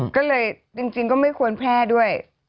ก็เลยจริงก็ไม่ควรแพร่ด้วย